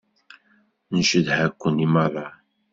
Ncedha-ken i meṛṛa.